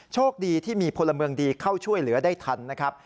โชคดีที่มีพลเมืองดีเข้าช่วยเหลือได้ทันนะครับ